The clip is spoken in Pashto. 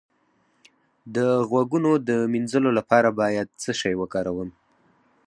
د غوږونو د مینځلو لپاره باید څه شی وکاروم؟